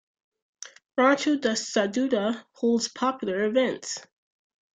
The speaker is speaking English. Rancho da Saudade holds popular events.